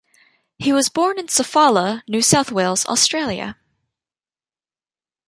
He was born in Sofala, New South Wales, Australia.